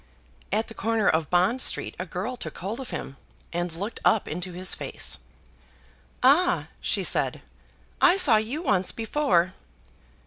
At the corner of Bond Street, a girl took hold of him, and looked up into his face. "Ah!" she said, "I saw you once before."